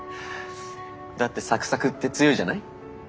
だってサクサクって強いじゃない？